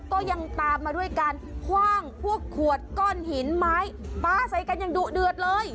ก็ยังตามมาด้วยการคว่างพวกขวดก้อนหินไม้ปลาใส่กันอย่างดุเดือดเลย